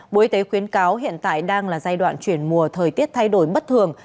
bộ y tế khuyến cáo hiện tại đang là giai đoạn chuyển mùa thời tiết thay đổi bất thường